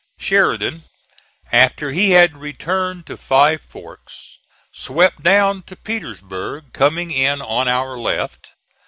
Sheridan, after he had returned to Five Forks, swept down to Petersburg, coming in on our left.